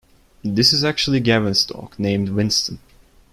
This is actually Gavin's dog named Winston.